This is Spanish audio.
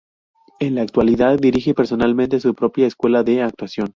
En la actualidad dirige personalmente su propia escuela de actuación.